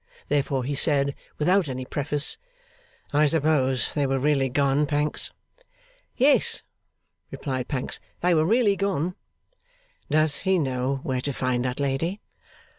Therefore he said, without any preface: 'I suppose they were really gone, Pancks?' 'Yes,' replied Pancks. 'They were really gone.' 'Does he know where to find that lady?